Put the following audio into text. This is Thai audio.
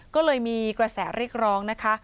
ก็เลยมีกระแสเรียกร้องนะคะ